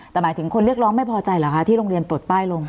แต่หมายถึงคนเรียกร้องไม่พอใจเหรอคะที่โรงเรียนปลดป้ายลง